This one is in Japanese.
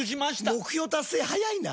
目標達成早いな！